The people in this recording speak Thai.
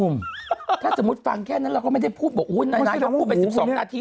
นุ่มถ้าสมมุติฟังแค่นั้นเราก็ไม่ได้พูดว่าโอ้โฮนายต้องพูดเป็น๑๒นาที